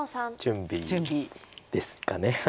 準備ですか。